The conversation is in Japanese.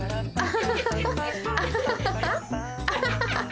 アハハハハ！